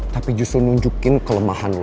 tapi justru nunjukin kelemahan lo